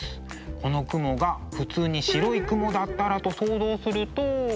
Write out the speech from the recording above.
この雲が普通に白い雲だったらと想像すると。